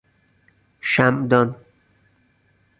شمعدان